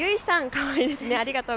かわいいですね。